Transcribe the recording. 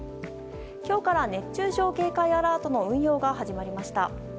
今日から熱中症警戒アラートの運用が始まりました。